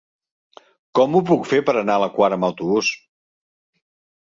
Com ho puc fer per anar a la Quar amb autobús?